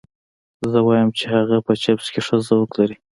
زه وایم چې هغه په چپس کې ښه ذوق لري